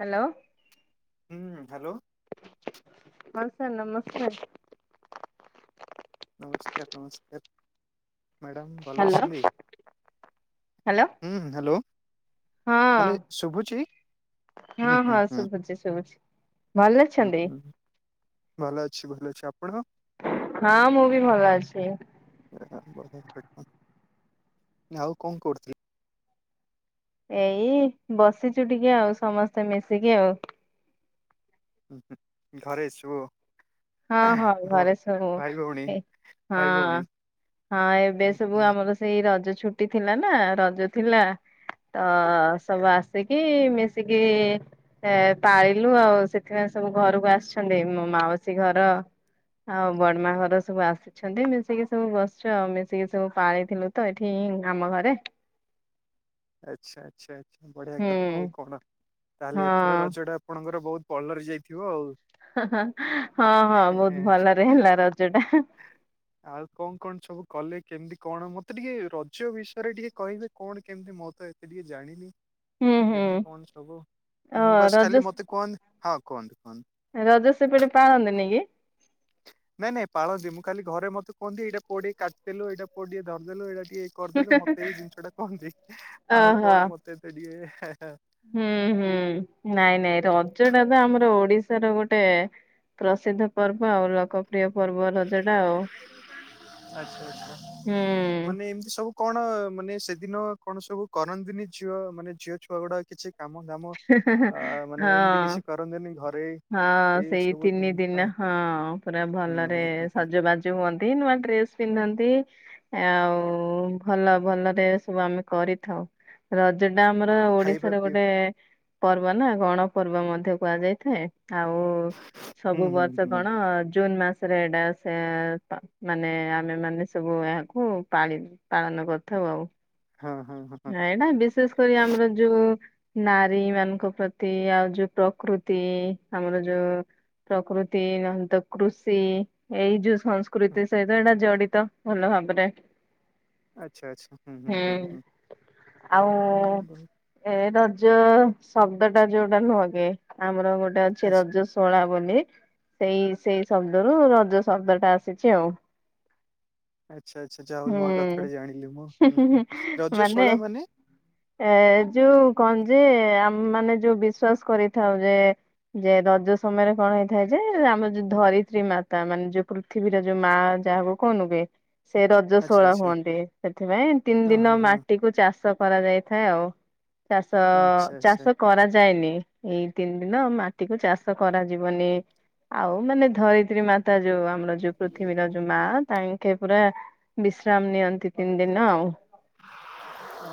Hello. ହୁଁ hello. ହଁ sir ନମସ୍କାର। ନମସ୍କାର ନମସ୍କାର ମ୍ୟାଡ଼ାମ ଭଲ ହ୍ୟାଲୋ ଅଛନ୍ତି। ହୁଁ ହ୍ୟାଲୋ ହଁ ମାନେ ଶୁଭୁଛି। ହଁ ହୁଁ ହୁଁ ହଁ ହୁଁ ଶୁଭୁଛି ଶୁଭୁଛି ଭଲ ହୁଁ ଅଛନ୍ତି ହୁଁ ଭଲ ଅଛି ଭଲ ଅଛି ଆପଣ? ହଁ ମୁଁ ବି ଭଲ ଅଛି। [unintelligible] ଆଉ କଣ କରୁଚି? ଏଇ ବସିଛୁ ଟିକେ ଆଉ ସମସ୍ତେ ମିଶିକି ଆଉ ଉ ହୁ ଘରେ ସୁଅ ହଁ ହଁ ଘରେ ସବୁ ଭଉଣୀ ଏ ଭାଇ ହଁ ଭଉଣୀ ହଁ ଏବେ ହୁଁ ସବୁ ହୁଁ ଆମର ସେଇ ରଜ ଛୁଟି ଥିଲା ନା ରଜ ଥିଲା ତ ସବୁ ଆସିକି ମିଶିକି ଏ ପାଳିଲୁ ଆଉ ସେଥିପାଇଁ ସବୁ ଘରକୁ ଆସିଛନ୍ତି ମୋ ମାଉସୀ ଘର ଆଉ ବଡମା ଘର ସବୁ ଆସି ଅଛନ୍ତି ମିଶିକି ସବୁ ବସିଛୁ ଆଉ ମିଶିକି ସବୁ ପାଳିଥିଲୁ ତ ଏଠି ଆମ ଘରେ ଆଚ୍ଛା ଆଚ୍ଛା ଆଚ୍ଛା ବଢିଆ ହୁଁ କଥା ଆଉ କଣ ହଁ ତାହେଲେ ଏଥର ରଜ ଟା ଆପଣଙ୍କର ବହୁତ ପଲରେ ଯାଇଥିବ ଆଉ ହଁ ହଁ ହେଁ ବହୁତ ଭଲରେ ହେଲା ରଜ ଟା ଆଉ କଣ କଣ ସବୁ କଲେ କେମିତି କଣ ମତେ ଟିକେ ରଜ ବିଷୟରେ ଟିକେ କହିବେ କଣ? କେମିତି ମୋତ ଏତେ ଟିକେ ଜାଣିନି ହୁଁ ହୁଁ କେମତି କଣ ସବୁ ଓ ମୁଁ ବାସ ରଜ ଖାଲି ମତେ କୁହନ୍ତ ହଁ କୁହନ୍ତୁ କୁହନ୍ତୁ ରଜ ସେ ପଟେ ପାଳନ୍ତିନିକି ନାଇଁ ନାଇଁ ପାଳନ୍ତି ମୁଁ ଖାଲି ଘରେ ମତେ କୁହନ୍ତି ଏଇଟା ପୁଅ ଟିକେ କାଟିଦେଲୁ ଏଇଟା ପୁଅ ଟିକେ ଧରିଦେଲୁ ଏଇଟା ଟିକେ କରିଦେଲେ ମତେ ଏଇ ଜିନିଷ ଟା କୁହନ୍ତି ଆଉ ଓହୋ କଣ ମତେ ତ ଟିକେ ହୁଁ ହୁଁ ନାଇଁ ନାଇଁ ରଜ ଟା ତ ଆମର ଓଡିଶାର ଗୋଟେ ପ୍ରସିଦ୍ଧ ପର୍ବ ଆଉ ଲୋକ ପ୍ରିୟ ପର୍ବ ରଜ ଟା ଆଉ ଆଚ୍ଛା ଆଚ୍ଛା। ହୁଁ ମାନେ ଏମିତି ସବୁ କଣ ମାନେ ସେଦିନ କଣ ସବୁ କରନ୍ତିନି ଝିଅ ମାନେ ଝିଅ ଛୁଆ ଗୁଡା କିଛି କାମ ଧାମ ହେଁ ହେଁ ହଁ ଘରେ ହଁ ଏଇ ସେଇ ସବୁ ତିନି ଜିନିଷ ଦିନ ହଁ ପୁରା ହୁଁ ଭଲରେ ହୁଁ ହୁଁ ହୁଁ ସଜବାଜ ହୁଅନ୍ତି ନୂଆ ଡ୍ରେସ ପିନ୍ଧନ୍ତି। ଆଉ ଭଲ ଭଲରେ ସବୁ ଆମେ କରିଥାଉ ରଜ ଟା ଆମର ଖାଇବା ଓଡିଶାର ପିଇବା ଗୋଟେ ପର୍ବ ନା ଗଣପର୍ବ ମଧ୍ୟ କୁହାଯାଇଥାଏ ଆଉ ହୁଁ ସବୁ ହୁଁ ବର୍ଷ ହୁଁ। କଣ ଜୁନ୍ ମାସ ସେଟା ସେ ଅ -ମାନେ ଆମେ ମାନେ ସବୁ ଏହାକୁ ପାଳି ପାଳନ କରିଥାଉ ଆଉ ହଁ ହଁ ହଁ ନାଇ ଏଟା ବିଶେଷ କରି ଆମର ଯୋଉ ନାରୀ ମାନଙ୍କ ପ୍ରତି ଆଉ ଯୋଉ ପ୍ରକୃତି ଆମର ଯୋଉ ପ୍ରକୃତି ନନ୍ତ କୃଷି ଏଇ ଯୋଉ ସଂସ୍କୃତି ସହିତ ଏଇଟା ଜଡିତ ଭଲ ଭାବରେ ଆଚ୍ଛା ଆଚ୍ଛା ହୁଁ ହୁଁ ହୁଁ ହୁଁ ଆଉ ହୁଁ। ଏ ରଜ ଶବ୍ଦ ଟା ଯୋଉଟା ନୁହଁ କି ଆ ଆମର ଗୋଟେ ଅଛି ଆଚ୍ଛା ରଜସ୍ ଶୋଳା ବୋଲି ସେଇ ସେଇ ଶବ୍ଦରୁ ରଜ ଶବ୍ଦ ଟା ଆସିଛି ଆଉ ଆଚ୍ଛା ଆଚ୍ଛା ଯାହା ହୋଉ ନୂଆ କଥାଟେ ହୁଁ ଜାଣିଲି ମୁଁ ହୁଁ ହୁଁ ରଜ ଶୋଳା ମାନେ? ଏ ଯୋଉ କଣ ଯେ ଆମ ମାନେ ଯୋଉ ବିଶ୍ୱାସ କରିଥାଉ ଯେ ଯେ ରଜ ସମୟରେ କଣ ହେଇଥାଏ ଯେ ଆମର ଯୋଉ ଧରିତ୍ରୀ ମାତା ମାନେ ଯୋଉ ପୃଥିବୀର ଯୋ ମା ଯାହା ହବ କଣଏ ସେ ରଜ ଆଚ୍ଛା ସୋଳା ଆଚ୍ଛା ହୁଅନ୍ତି ସେଥିପାଇଁ ତିନି ଅ ଦିନ ହଁ ହଁ ମାଟି କୁ ଚାଷ କରାଯାଇଥାଏ ଆଉ ଚାଷ ଆଚ୍ଛା ଆଚ୍ଛା ଚାଷ କରାଯାଏନି ଏଇ ତିନି ଦିନ ମାଟି କୁ ଚାଷ କରାଯିବନି ଆଉ ମାନେ ଧରିତ୍ରୀ ମା ତା ଯୋଉ ଆମର ଯୋଉ ପୃଥିବୀର ଯୋଉ ମା ତାଙ୍କେ ପୁରା। ବିଶ୍ରାମ ନିଅନ୍ତି ତିନିଦିନ ଆଉ।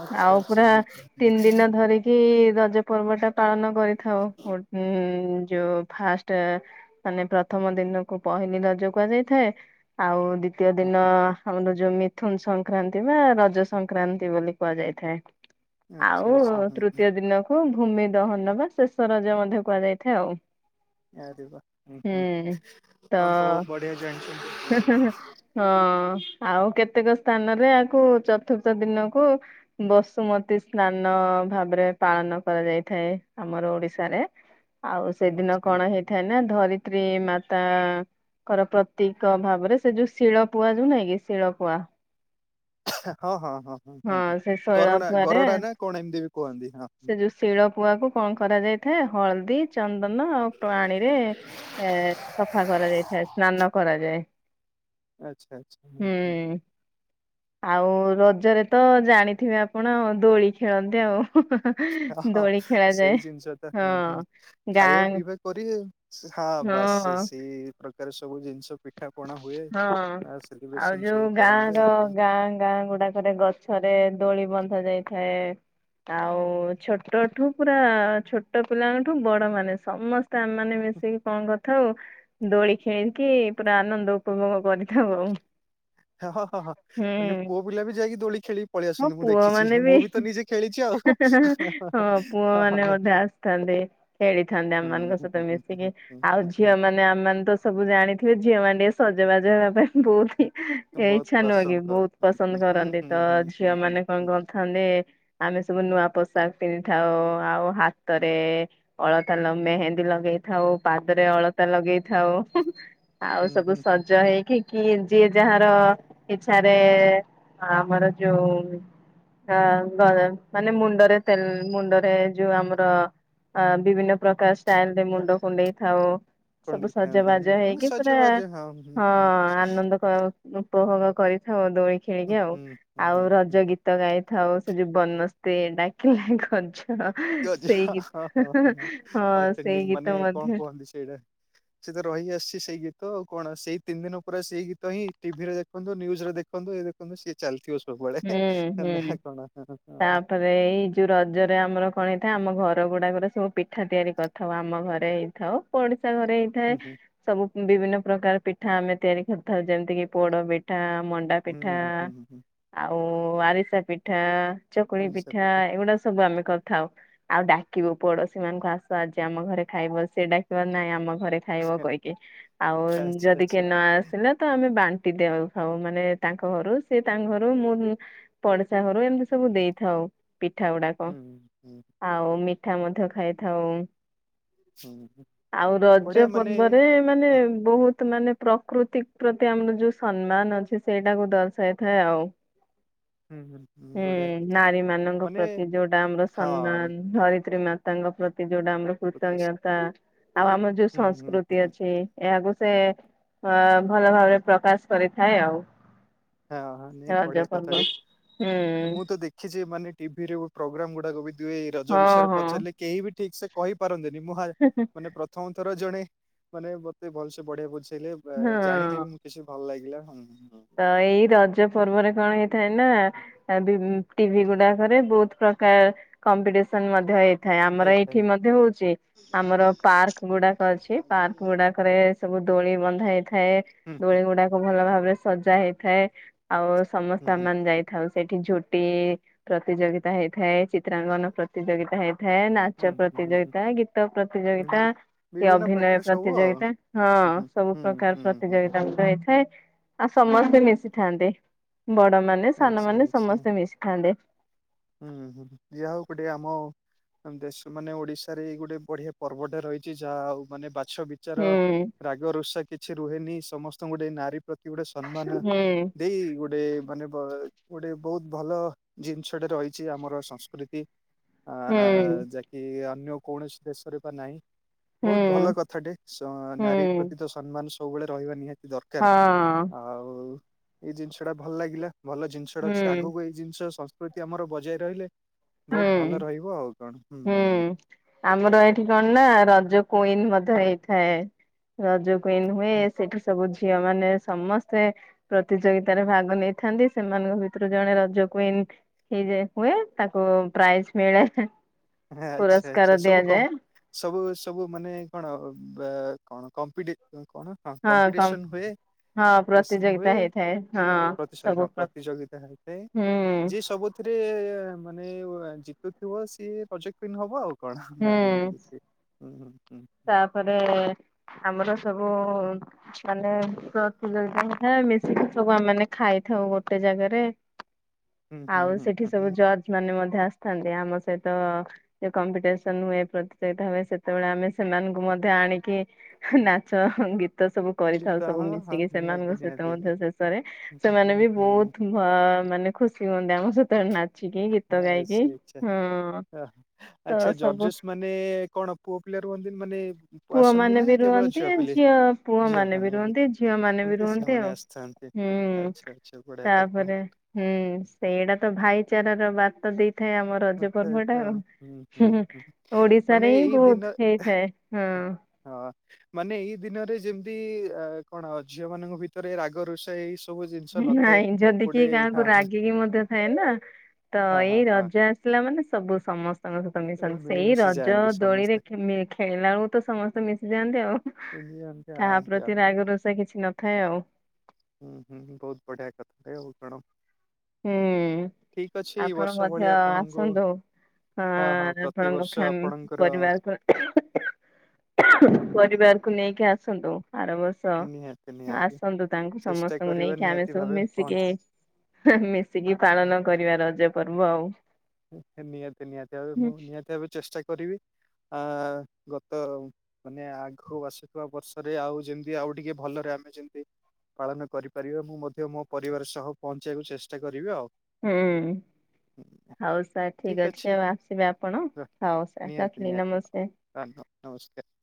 ଆଚ୍ଛା ଆଉ ଆଚ୍ଛା ପୁରା ହୁଁ ହୁଁ ତିନି ହୁଁ ଦିନ ଧରିକି। କି ରଜ ପର୍ବ ଟା ପାଳନ କରିଥାଉ ଗୋ ଉଁ ଯୋଉ ଫାଷ୍ଟ। ମାନେ ପ୍ରଥମ ଦିନକୁ ପହିଲି ରଜ କୁହାଯାଇଥାଏ ଆଉ ଦ୍ଵିତୀୟ ଦିନ। ହୁଁ ଆମର ଯୋଉ ମିଥୁନ ସଂକ୍ରାନ୍ତି ବା ରଜ ସଂକ୍ରାନ୍ତି ବୋଲି କୁହାଯାଇଥାଏ। ଆଚ୍ଛା ଆଉ ଆଚ୍ଛା ହୁଁ ହୁଁ ତୃତୀୟ ଦିନକୁ ଭୂମି ଦହନ ବା ଶେଷ ରଜ ମଧ୍ୟ କୁହା ଯାଇଥାଏ ଆଉ। ଆରେ ବା ହୁଁ ହୁଁ ତ ଆପଣ ବହୁତ ବଢିଆ ଜାଣିଛନ୍ତି। ହଁ ଆଉ କେତେକ ସ୍ଥାନରେ ଆକୁ ଚତୁର୍ଥ ଦିନକୁ। ବସୁମତୀ ସ୍ନାନ ଭାବରେ ପାଳନ କରାଯାଇଥାଏ ଆମର ଓଡିଶାରେ। ହ ଆଉ ସେଦିନ କଣ ହେଇଥାଏ ନା ଧରିତ୍ରୀ ମାତା। ଙ୍କର ପ୍ରତୀକ ଭାବରେ ସେ ଯୋଉ ଶିଳପୁଆ ଯୋଉ ନାଇଁ କି ଶିଳପୁଆ। ହାଁ ହଁ ହଁ ହଁ ହଁ ହୁଁ ହୁଁ ଶୈଳ ଗରୋଡା ପୁଆରେ ଗରୋଡା ନା କଣ ଏମିତି ବି କୁହନ୍ତି ହଁ ସେ ହୁଁ। ଯୋଉ ଶିଳ ପୁଆ କୁ କଣ କରାଯାଇଥାଏ ହଳଦୀ। ଚନ୍ଦନ ଆଉ ପାଣିରେ ଏଁ ସଫା କରା ଯାଇ ଥାଏ ସ୍ନାନ କରାଯାଏ। ଆଚ୍ଛା ଆଚ୍ଛା ହୁଁ ହଁ। ଆଉ ରଜରେ ତ ଜାଣିଥିବେ ଆପଣ ଦୋଳି ଖେଳନ୍ତି ଆଉ ହୁଁ ହେଁ ହେଁ। ହଁ ହଁ ସେଇ ଜିନିଷ ତ ହୁଁ ହୁଁ ହଁ ଖାଇବା ଗାଁ ପିଇବା କରିବେ ଆଉ। ହଁ ବାସ ସେ ସେଇ ପ୍ରକାର ସବୁ ଜିନିଷ ପିଠା ପଣା ହୁଏ ହଁ। ଆ ଆଉ ସେଲିବ୍ରେସନ ଯୋଉ ସବୁ ଗାଁ କରନ୍ତି ର ଆଉ କଣ ଗାଁ ଗାଁ ଗୁଡାକରେ ଗ ଗଛରେ ଦୋଳି ବନ୍ଧା ଯାଇଥାଏ। ଆଉ ଛୋଟଠୁ ପୁରା ଛୋଟ ପିଲାଙ୍କଠୁ ବଡ ମାନେ ସମସ୍ତେ। ଆମେମାନେ ମିଶିକି କଁ କରିଥାଉ। ଦୋଳି ଖେଳିକି ପୁରା ଆନନ୍ଦ ଉପଭୋଗ କରିଥାଉ ଆଉ। ହେଁ ହଁ ହଁ ହଁ ମାନେ ହୁଁ ପୁଅ ପିଲା ବି ଯାଇକି ଦୋଳି ଖେଳିକି ପଳେଇ ହଁ ଆସନ୍ତି ମୁଁ ପୁଅ ମାନେ ଦେଖିଛି ମୁଁ ବି ତ ନିଜେ ଖେଳିଚି ଆଉ। ହଁ ପୁଅ ମାନେ ମଧ୍ୟ ଆସିଥାନ୍ତି ଖେଳିଥାନ୍ତି ଆମ ମାନଙ୍କ ସହିତ ମିଶି। କି ଆଉ ଝିଅ ମାନେ ଆମମାନେ ତ ସବୁ ଜାଣିଥିବେ ଝିଅ ମାନେ ଟିକେ ସଜବାଜ ହେବା ପାଇଁ ବହୁତ ହୁଁ ଏ ବହୁତ ଇଚ୍ଛା ନୁହଁ କି ପସନ୍ଦ ବହୁତ କରୁଥାନ୍ତି ପସନ୍ଦ ହୁଁ କରନ୍ତି ହୁଁ ତ ହୁଁ ଝିଅ ହୁଁ ହୁଁ ମାନେ କଣ ହୁଁ କରୁଥାନ୍ତି। ଆମେ ସବୁ ନୂଆ ପୋଷାକ ପିନ୍ଧିଥାଉ ଆଉ ହାତରେ। ଅଳତା ଲ ମେହେନ୍ଦୀ ଲଗେଇଥାଉ ପାଦରେ ଅଳତା ଲଗେଇଥାଉ ହୁଁ ହୁଁ। ଆଉ ହୁଁ ସବୁ ହୁଁ ହୁଁ ସଜ ହୁଁ ହେଇକି କି ଯିଏ ଯାହାର ଇଛାରେ ଆମର ଯୋଉ ଉଁ ଅ ଗ ମାନେ ମୁଣ୍ଡରେ ତେଲ ମୁଣ୍ଡରେ ଯୋଉ ଆମର। ଅ ବିଭିନ୍ନ ପ୍ରକାର ଷ୍ଟାଇଲ ରେ ମୁଣ୍ଡ କୁଣ୍ଡେଇ ଥାଉ। ସବୁ କଣ୍ଡେଇ ଖାଆନ୍ତି ହୁଁ ସଜବାଜ ହୁଁ ହେଇକି ପୁରା ସଜବାଜ ହୁଁ ହଁ ହୁଁ ଆନନ୍ଦ। ଉପଭୋଗ କରିଥାଉ ଦୋଳି ଖେଳିକି ଆଉ ହୁଁ ଆଉ ହୁଁ ହୁଁ ରଜ ହୁଁ ଗୀତ ଗାଇ ଥାଉ ସେ ଯୋ ବନସ୍ତେ ଡାକିଲା ଗଜ। ଗଜ ସେଇ ହଁ ଗୀତ ହଁ ହଁ ହଁ ସେଇ ଅଥେନଟିକ୍ ଗୀତ ମାନେ କଣ ମଧ୍ୟ କୁହନ୍ତି ସେଇଟା। ସିଏତ ରହି ଆସିଛି ସେଇ ଗୀତ ଆଉ କଣ ସେଇ ତିନି ଦିନ ପୁରା ସେଇ ଗୀତ ହିଁ ଟିଭିରେ ଦେଖନ୍ତୁ ନ୍ୟୁଜ ରେ ଦେଖନ୍ତୁ। ଖନ୍ତୁ ସିଏ ଚାଲିଥିବ ସବୁବେଳେ ହୁଁ ହେ ହୁଁ। ନା କଣ। ତାପରେ ଏଇ ଯୋଉ ରଜରେ ଆମର କଣ ହେଇଥାଏ ଆମ ଘର ଗୁଡାକରେ ସବୁ ପିଠା ତିଆରି କରିଥ ଥାଉ ଆମ ଘରେ ହେଇଥାଉ ପଡିଶା ଘରେ ହେଇ ଥାଏ ହୁଁ ହୁଁ ସବୁ ବିଭିନ୍ନ ପ୍ରକାର ପିଠା ଆମେ ତିଆରି କରିଥାଉ ଯେମିତି କିି ପୋଡ ପିଠା ମ ମଣ୍ଡା ହୁଁ ପିଠା। ହୁଁ ହୁଁ ହୁଁ ଆଉ ଆରିସା ପିଠା ଚକୁଳି ପିଠା ଏଗୁଡା ସବୁ ଆମେ କରି ଥାଉ ଆଉ ଡାକିବୁ ପଡୋଶୀ ମାନଙ୍କୁ ଆସ ଆଜି ଆମ ଘରେ ଖାଇବ ସିଏ ଡାକିବେ ନାଇଁ ଆମ ଘରେ। ଖାଇବ କହିକି ଆଉ ଆଚ୍ଛା ଯଦି କିଏ ଆଚ୍ଛା ନଆସ ସିଲେ ତ ଆମେ ବାଣ୍ଟି ଦେଉ ସବୁ ମାନେ ତାଙ୍କ ଘରୁ ସେ ତାଙ୍କ ଘରୁ ମୁଁ ପଡିଶା ଘରୁ ଏମିତି ସବୁ ଦେଇଥାଉ ପିଠା ଗୁଡାକ। ହୁଁ ହୁଁ ଆଉ ମିଠା ମଧ୍ୟ ଖାଇଥାଉ ହୁଁ ଆଉ ରଜ ବଢିଆ ମାନେ ପର୍ବରେ ମାନେ ବହୁତ ମାନେ ପ୍ରକୃତି ପ୍ରତି ଆମର ଯୋଉ ସମ୍ମାନ ଅଛି, ସେଇଟାକୁ ଦର୍ଶାଇଥାଏ ଆଉ। ହୁଁ ହୁଁ। ହୁଁ, ବଢିଆ କଥା ନାରୀମାନଙ୍କ ମାନେ ପ୍ରତି ଯୋଉଟା ଆମର ହଁ ସମ୍ମାନ, ଧରିତ୍ରୀ ମା ତାଙ୍କ ପ୍ରତି ଯୋଉଟା ଆମର ହୁଁ କୃତଜ୍ଞତା, ଆଉ ଆମର ଯୋଉ ହୁଁ ହୁଁ ସଂସ୍କୃତି ଅଛି ଏହାକୁ ସେ ଅ ଭଲ ଭାବରେ ପ୍ରକାଶ କରିଥାଏ ଆଉ। ହଁ ହଁ ହଁ, ନାଇଁ ରଜ ବଢିଆ ପର୍ବ କଥାଟେ। ହୁଁ ମୁଁ ତ ଦେଖ ଖିଚି ମାନେ ଟିଭିରେ ବହୁ ପ୍ରୋଗ୍ରାମ ଗୁଡାକ ବି ଦିଏ, ଏଇ ରଜ ହଁ ବିଷୟରେ ହଁ ପଚାରିଲେ କେହି ବି ଠିକ୍ ସେ କହିପାରନ୍ତିନି। ମୁଁ ହାଏ ମାନେ ପ୍ରଥମ ଥର ଜଣେ ମାନେ ମତେ ଭଲସେ ବଢିଆ ବୁଝେଇଲେ ବା ଜାଣିଲି ହଁ ବି ମୁଁ କିଛି ଭଲ ଲାଗିଲା, ହୁଁ ହୁଁ ହୁଁ। ତ ଏଇ ରଜ ପର୍ବରେ କଣ ହେଇଥାଏ ନା ଅ ବି-ବି-ଟିଭି ଗୁଡାକରେ ବହୁତ ପ୍ରକାର କମ୍ପିଟିସନ ମଧ୍ୟ ହେଇ ଥାଏ, ଆମର ହେଇଥାଏ ଏଇଠି ମଧ୍ୟ ହଉଚି। ଆମର ପାର୍କଗୁଡାକ ଅଛି, ପାର୍କଗୁଡା କରେ ସବୁ ଦୋଳି ବନ୍ଧା ହେଇଥାଏ, ହୁଁ ଦୋଳିଗୁଡାକ ଭଲ ଭାବରେ ସଜା ହେଇଥାଏ ଆଉ ହୁଁ ସମସ୍ତେ ହୁଁ ଆମେମାନେ ଯାଇ ଥାଉ। ସେଠି ଝୋଟି ପ୍ରତିଯୋଗିତା ହେଇଥାଏ, ଚିତ୍ରାଙ୍କନ ପ୍ରତି ତିଯୋଗିତା ହେଇଥାଏ, ନାଚ ହୁଁ ହୁଁ ହୁଁ ହୁଁ। ପ୍ରତିଯୋଗିତା, ଗୀତ ହୁଁ ପ୍ରତିଯୋଗିତା ବି- କି ବିଭିନ୍ନ ଅଭିନୟ ପ୍ରକାର ସବୁ ଆଉ ପ୍ରତିଯୋଗିତା, ହଁ ହୁଁ ହୁଁ ସବୁ ହୁଁ ପ୍ରକାର ହୁଁ ହୁଁ ହୁଁ। ପ୍ରତିଯୋଗିତା ମଧ୍ୟ ହେଇଥାଏ ଆ ସମସ୍ତେ ମିଶିଥାନ୍ତି। ବଡମାନେ, ଆଚ୍ଛା ସାନମାନେ ଆଚ୍ଛା। ସମସ୍ତେ ମିଶିଥାନ୍ତି। ହୁଁ ହୁଁ। ଯାହା ହଉ ଗୋଟେ ଆମ ଆମ ଦେଶ ମାନେ ଓଡିଶାରେ ଏଇ ଗୋଟେ ବଢିଆ ପର୍ବଟେ ରହିଚି, ଯାହା ହଉ ମାନେ ବାଛ ବି ଚାର, ହୁଁ ରାଗ, ଋଷା କିଛି ରୁହେନି, ସମସ୍ତଙ୍କୁ ଗୋଟେ ନାରୀ ପ୍ରତି ଗୋଟେ ସମ୍ମାନ ହୁଁ ଦେଇ ଗୋଟେ ମାନେ ବ ଗୋଟେ ବହୁତ ଭଲ ଜିନିଷ ଷଟେ ରହିଛି ଆମର ସଂସ୍କୃତି। ଆ ହୁଁ। ଯାକ କି ଅନ୍ୟ କୌଣସି ଦେଶରେ ବା ନାହିଁ। ହୁଁ ବହୁତ ଭଲ କଥାଟେ, ଶ ନାରୀ ହୁଁ ପ୍ରତି ତ ସମ୍ମାନ ସବୁବେଳେ ରହିବା ନିହାତି ଦରକାର। ହଁ ଆଉ ଏଇ ଜିନିଷଟା ଭଲ ଲାଗିଲା, ଭଲ ଜିନିଷଟା ଅଛି। ହୁଁ ଆଗକୁ ଏଇ ଜିନିଷ ସଂସ୍କୃତି ଆମର ବଜାଇ ରହିଲେ ବହୁତ ହୁଁ ଭଲ ରହିବ ଆଉ କଣ। ହୁଁ, ହୁଁ। ଆମର ଏଇଠି କଣ ନା, ରଜ କୁଇନ ମଧ୍ୟ ହେଇଥାଏ। ରଜ କୁଇନ ହୁଏ, ସେଠୁ ସବୁ ଝିଅ ମାନେ ସମ ସ୍ତେ ପ୍ରତିଯୋଗିତାରେ ଭାଗ ନେଇଥାନ୍ତି, ସେମାନଙ୍କ ଭିତୁରୁ ଜଣେ ରଜ କୁଇନ୍ ହେଇଯାଏ ହୁଏ, ତାକୁ ପ୍ରାଇଜ୍ ମିଳେ ଆଚ୍ଛା ଆଚ୍ଛା ପୁରସ୍କାର ସବୁ କମ୍ ଦିଆଯାଏ। ସବୁ ସବୁ ମାନେ କଣ, ବା କଣ କମ୍ପିଟି କଣ ହଁ, କମ୍ପିଟିସନ ହୁଏ ହଁ ଟିସନ ପ୍ରତିଯୋଗିତା ହୁଏ, ହେଇଥାଏ ହଁ ପ୍ରତି ସରି ସବୁ ହଁ ପ୍ର ପ୍ରତିଯୋଗିତା ହୋଇଥାଏ। ହୁଁ ଯିଏ ସବୁ ଥିରେ ମାନେ ଜିତୁଥିବ, ସିଏ ରଜ କୁଇନ୍ ହବ ଆଉ। କଣ ନା ଏମତି ହୁଁ କିଛି, ହୁଁ-ହୁଁ-ହୁଁ। ତାପରେ ଆମର ସବୁ ମାନେ ପ୍ରତିଯୋଗିତା ହେଇଥାଏ, ମିଶିକି ସବୁ ଆମେମାନେ ଖାଇଥାଉ ଗୋଟେ ଜାଗାରେ। ହୁଁ ହୁଁ ହୁଁ ଆଉ ହୁଁ ସେଠି ହୁଁ ସବୁ ହୁଁ। ଜଜ୍ ମାନେ ମଧ୍ୟ ଆସଥାନ୍ତି। ଆମ ସହିତ ଏ କମ୍ପିଟେସନ ହୁଏ, ପ୍ରତିଯୋଗିତା ହୁଏ, ସେତବଳେ ଆମେ ସେମାନଙ୍କୁ ମଧ୍ୟ ଆଣିକି, ହି ନାଚ, ହି ଗୀତ ତ ସବୁ କରିଥାଉ ଗୀତ ସବୁ ହଁ ହଁ ମିଶିକି ନିହାତି ସେମାନଙ୍କ ସହିତ ନିହାତି। ମଧ୍ୟ ଶେଷରେ। ହୁଁ ହୁଁ ସେମାନେ ବି ହୁଁ ବହୁତ ଭ ମାନେ ଖୁସି ହୁଅନ୍ତି, ଆମ ସହିତ ନାଚ ହଁ, ଶୋଇଛି ଆଉ। ଓହୋ। ତ ଆଚ୍ଛା, ସବୁ ଜଜେସ୍ ମାନେ ନେ କଣ ପୁଅପିଲା ରୁହନ୍ତିନି ମାନେ ବୁ ପୁଅମାନେ ବି ରୁହନ୍ତି, ଝିଅ ଝିଅ ପୁଅମାନେ ମାନେ ବି ଏବେ? ରୁହନ୍ତି, ଝିଅମାନେ ବି ଥାନ୍ତି ରୁହନ୍ତି ସେମାନେ ଆଉ। ଆସିଥାନ୍ତି। ହୁଁ। ଆଚ୍ଛା ଆଚ୍ଛା ବଢିଆ କଥା ତାପରେ ହୁଁ ସେଇଟାତ ଭାଇଚାରାର ବାତ ଦେଇଥାଏ ଆମ ରଜ ପର୍ବଟା ଆଉ ହୁଁ ହୁଁ ମାନେ ଓଡିଶାରେହିଁ ଏଇ ବହୁତ୍ ଦିନ ହେଇଥାଏ। ହଁ। ହଁ ମାନେ ଏଇ ଦିନରେ ଯେମ୍ତି ଆ କଣ ଝିଅ ମାନଙ୍କ ଭିତରେ ରାଗ ରୁଷା ଏଇ ସ ନାଇଁ ଯଦି କିଏ କାହାକୁ ହଁ ରାଗିକି ମଧ୍ୟ ଥାଏନା ହଁ ତଏଇ ହଁ ହଁ ରଜ ଆସି ଆସିଲା ମାନେ ସବୁ ସମସ୍ତଙ୍କ ସହିତ ତ ମିଶନ୍ତି ସେଇ ମିଳିମିଶି ରଜ ଯାଆନ୍ତି ଦୋଳିରେ ସମସ୍ତେ। ଖି ମିଖି ଖେଳିଲା ବେଳକୁତ ସମସ୍ତେ ମିଶିଯାଆନ୍ତି ଆଉ ଏମିତି କାହା ଆଜ୍ଞା ପ୍ରତି ରାଗରୁଷା କିଛି ନଥାଏ ଆଉ। ହୁଁ ହୁଁ ବହୁତ୍ ବଢିଆ କଥାଟେ ଆଉ କଣ ହୁଁ ଠିକ ଅଛି ଏଇ ଆପଣ ବର୍ଷ ଭଳି ମଧ୍ୟ ଆପଣଙ୍କୁ ଆସନ୍ତୁ। ହଁ ଆପଣଙ୍କ ଫ୍ୟାମ୍ ପରିବାର ପ୍ର ପରିବାରକୁ ନେଇକି ଆସନ୍ତୁ ଆର ବର୍ଷ ନିହାତି ଚ ନିହାତି ଆସନ୍ତୁ ତାଙ୍କୁ ଚେଷ୍ଟା ସମସ୍ତଙ୍କୁ କରିବା ନେଇକି ଆମେ ନିହାତି ସବୁ ଭାବେ ପହଞ୍ଚ ମିଶିକି ହୁଁଉ ମିଶିକି ପାଳନ କରିବା ରଜ ପର୍ବ ଆଉ। ଉଁ ନିହାତି ନିହାତି ଆଉ ମୁଁ ନିହାତି ଭାବେ ଚେଷ୍ଟା କରିବି ଆ ଗତ ମାନେ ଆଗୁକୁ ଆସୁଥିବା ବର୍ଷରେ ଆଉ ଯେମତି ଆଉ ଟିକେ ଭଲରେ ଆମେ ଯେମତି ପାଳନ କରିପାରିବା ମୁଁ ମଧ୍ୟ ମୋପରିବାର ସହ ପହଞ୍ଚିବାକୁ ଚେଷ୍ଟା କରିବି ଆଉ। ହୁଁ ହଉ ସାର୍ ଠିକ୍ ଅଛି ଆଉ ଆସିବେ ଆପଣ ହଉ ସାର୍ ରଖିଲି ନମସ୍କାର୍। ଆନ ନମସ୍କାର୍।